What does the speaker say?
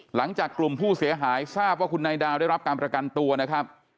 หลังจากกลุ่มผู้เสียหายทราบว่าคุณนายดาวได้รับการประกันตัวนะครับ